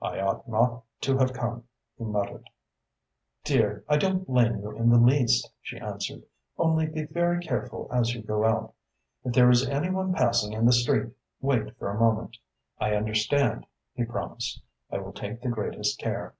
"I ought not to have come," he muttered. "Dear, I don't blame you in the least," she answered, "only be very careful as you go out. If there is any one passing in the street, wait for a moment." "I understand," he promised. "I will take the greatest care."